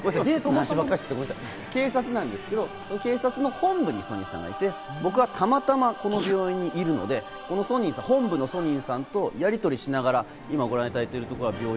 警察なんですけど、警察の本部にソニンさんがいて、僕はたまたまこの病院にいるので、本部のソニンさんとやりとりしながら今ご覧いただいてるところは病院。